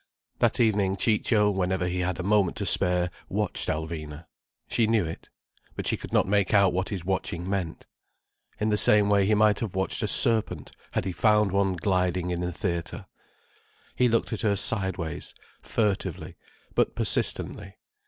That evening Ciccio, whenever he had a moment to spare, watched Alvina. She knew it. But she could not make out what his watching meant. In the same way he might have watched a serpent, had he found one gliding in the theatre. He looked at her sideways, furtively, but persistently.